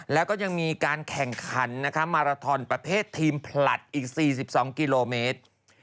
แล้วก็ยังมีการแข่งขันมาราทอนประเภททีมผลัดอีก๔๒กิโลเมตร